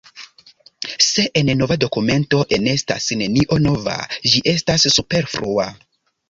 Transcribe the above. Se en nova dokumento enestas nenio nova, ĝi estas superflua.